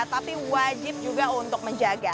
tapi wajib juga untuk menjaga